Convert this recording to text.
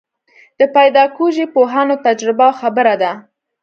د پیداکوژۍ پوهانو تجربه او خبره ده.